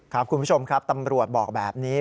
คุณผู้ชมครับตำรวจบอกแบบนี้